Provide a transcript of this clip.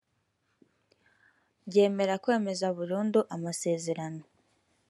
ryemera kwemeza burundu amasezerano